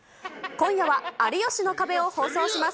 今夜は、有吉の壁を放送します。